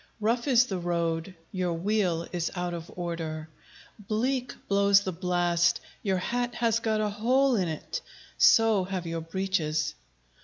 Rough is the road; your wheel is out of order Bleak blows the blast; your hat has got a hole in't, So have your breeches!